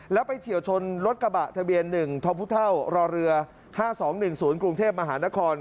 แล้วไปเฉียวชนรถกระบะทะเบียน๑ทพรอเรือ๕๒๑๐กรุงเทพมหานคร